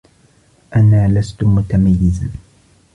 أنا لست متميزا.